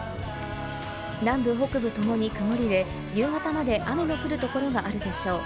南部、北部ともに曇りで、夕方まで雨の降るところがあるでしょう。